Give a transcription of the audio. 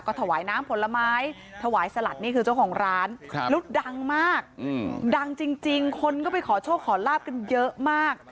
ถวายน้ำผลไม้ถวายสลัดนี่คือเจ้าของร้านแล้วดังมากดังจริงคนก็ไปขอโชคขอลาบกันเยอะมาก